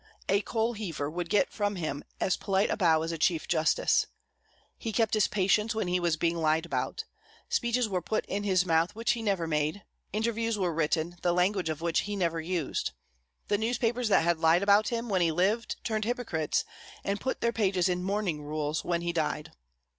A coal heaver would get from him as polite a bow as a chief justice. He kept his patience when he was being lied about. Speeches were put in his mouth which he never made, interviews were written, the language of which he never used. The newspapers that had lied about him, when he lived, turned hypocrites, and put their pages in mourning rules when he died.